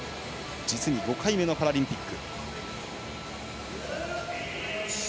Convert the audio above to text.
実に５回目のパラリンピック。